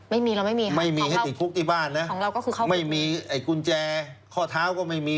ไม่มีให้ติดคุกที่บ้านนะไม่มีไอ้กุญแจข้อเท้าก็ไม่มี